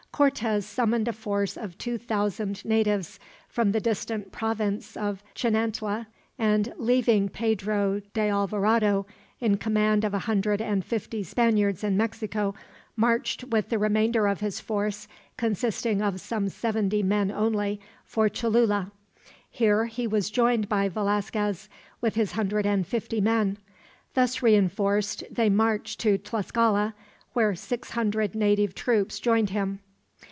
Cortez summoned a force of two thousand natives from the distant province of Chinantla and, leaving Pedro d'Alvarado in command of a hundred and fifty Spaniards in Mexico, marched with the remainder of his force, consisting of some seventy men only, for Cholula. Here he was joined by Velasquez, with his hundred and fifty men. Thus reinforced, they marched to Tlascala, where six hundred native troops joined him.